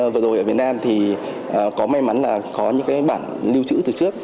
vừa rồi ở việt nam thì có may mắn là có những cái bản lưu chữ từ trước